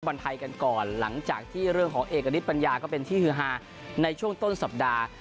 บอลไทยกันก่อนหลังจากที่เรื่องของเอกณิตปัญญาก็เป็นที่ฮือฮาในช่วงต้นสัปดาห์